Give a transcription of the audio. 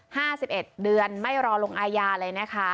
ห้าสิบเอ็ดเดือนไม่รอลงอาญาเลยนะคะ